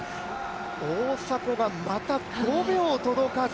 大迫がまた５秒届かず。